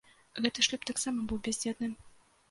Гэты шлюб таксама быў бяздзетным.